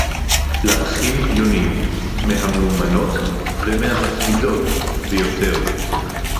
לְהָכִין יוֹנִים מֵהַמְאֻמָּנוֹת וּמֵהַמַּתְמִידוֹת בְּיוֹתֵר